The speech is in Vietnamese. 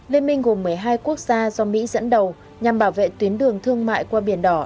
liên minh gồm một mươi hai quốc gia do mỹ dẫn đầu nhằm bảo vệ tuyến đường thương mại qua biển đỏ